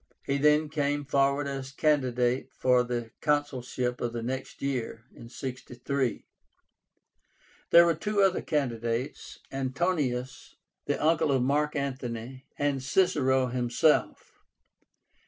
He then came forward as candidate for the consulship of the next year (63). There were two other candidates, Antonius, the uncle of Mark Antony, and Cicero himself.